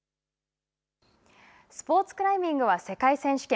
スポーツクライミングは世界選手権。